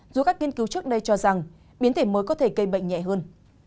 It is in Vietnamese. dù các nghiên cứu trước đây cho rằng biến thể mới có thể gây bệnh nhẹ hơn